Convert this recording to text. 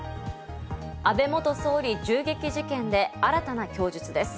安倍元総理銃撃事件で新たな供述です。